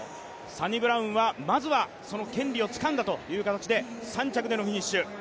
サニブラウンはまずは権利をつかんだということで３着でのフィニッシュ。